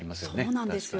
そうなんですよ。